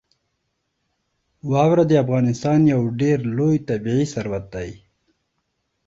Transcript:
واوره د افغانستان یو ډېر لوی طبعي ثروت دی.